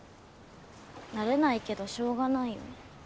慣れないけどしょうがないよ。